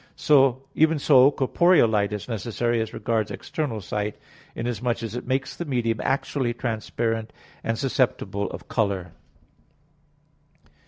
Even so corporeal light is necessary as regards external sight, inasmuch as it makes the medium actually transparent, and susceptible of color.